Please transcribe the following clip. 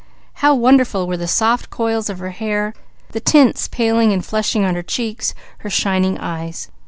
How wonderful were the soft coils of her hair, the tints paling and flushing on her cheeks, her shining eyes!